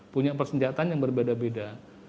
punya persenjataan yang berbeda beda